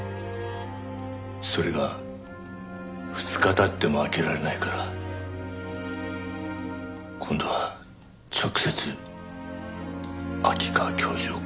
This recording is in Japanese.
それが２日経っても開けられないから今度は直接秋川教授を殺しに行った。